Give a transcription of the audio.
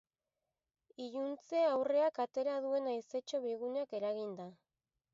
Iluntze aurreak atera duen haizetxo bigunak eraginda.